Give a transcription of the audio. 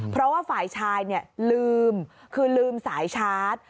เพราะว่าฝ่ายชายลืมคือลืมสายชาร์จ